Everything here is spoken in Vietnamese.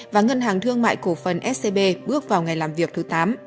và ngân hàng thương mại cổ phần scb bước vào ngày làm việc thứ tám